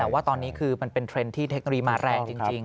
แต่ว่าตอนนี้คือมันเป็นเทรนด์ที่เทคโนโลยีมาแรงจริง